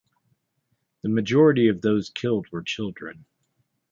The majority of those killed were children.